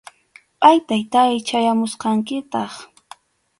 Ay, Taytáy, chayamusqankitaq